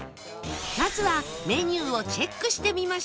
まずはメニューをチェックしてみましょう